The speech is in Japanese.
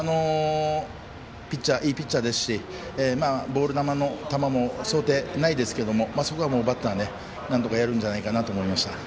いいピッチャーですしボール球も想定内ですがそこはバッターがなんとかやるんじゃないかと思いました。